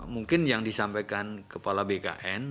mungkin yang disampaikan kepala bkn